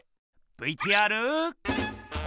ＶＴＲ。